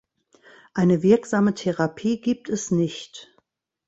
Eine wirksame Therapie gibt es nicht.